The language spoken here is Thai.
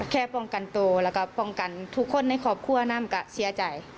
แค่ป้องกันโตแล้วก็ป้องกันทุกคนในครอบครัวนั้นก็เสียใจ